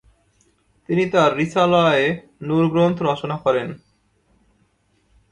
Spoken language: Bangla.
তিনি তার রিসালায়ে নুর গ্রন্থ রচনা করেন।